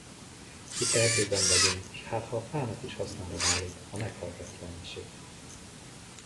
Itt erdőben vagyunk, s hátha a fának is hasznára válik, ha meghallgatja a mesét.